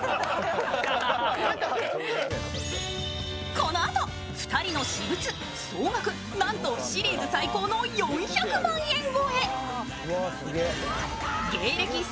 このあと、２人の私物総額なんとシリーズ最高の４００万円超え。